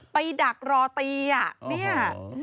ไปดักรอเตีย